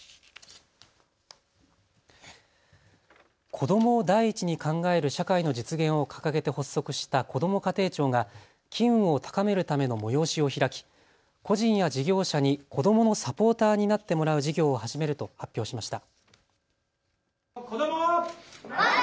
子どもを第一に考える社会の実現を掲げて発足したこども家庭庁が機運を高めるための催しを開き、個人や事業者に子どものサポーターになってもらう事業を始めると発表しました。